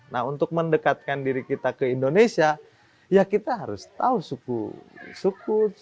nah untuk mendekatkan diri kita ke indonesia ya kita harus tahu suku suku